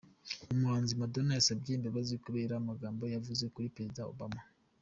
Umuhanzi Madonna yasabye imbabazi kubera amagambo yavuze kuri Perezida Obama